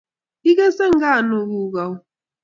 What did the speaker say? Igese nganuguuk au?